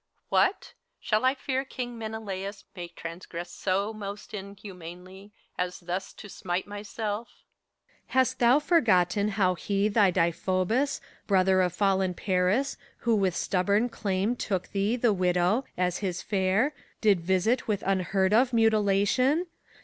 What ! Shall I fear King Menelaus may transgress So most inhumanly, as thus to smite myself? PHOBKYAS. Hast thou forgotten how he thy Deiphobus, Brother of fallen Paris, who with stubborn claim Took thee, the widow, as his fere, did visit with Unheard of mutilation?